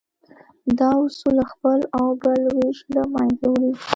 دا اصول خپل او بل وېش له منځه وړي.